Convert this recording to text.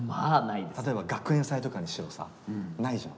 例えば学園祭とかにしろさないじゃん？